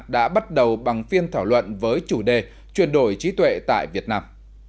đã bắt đầu bằng phiên thảo luận với chủ đề chuyển đổi trí tuệ tại việt nam